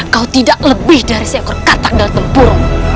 kau tidak lebih dari seekor katak dalam tempur